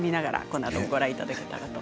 このあとご覧いただけたらと。